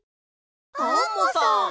アンモさん！